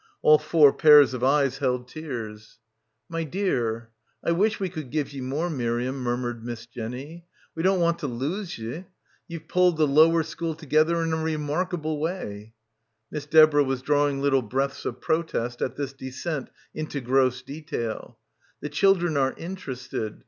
All four pairs of eyes held tears. — 265 — PILGRIMAGE "My dear — I wish we could give ye more, Miriam/' murmured Miss Jenny; "we don't want to lose ye, ye've pulled the lower school together in a remarkable way" ; Miss Deborah was draw ing little breaths of protest at this descent into gross detail; "the children are interested.